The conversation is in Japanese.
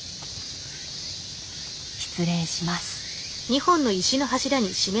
失礼します。